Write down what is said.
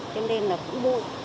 cho nên là khu trường học nhiều